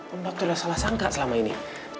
om dokter udah salah sangka selama ini